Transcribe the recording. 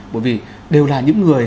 bởi vì đều là những người